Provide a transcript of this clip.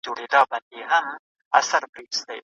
تل د خپل هیواد خصوصي سکتور ته پوره وده ورکړئ.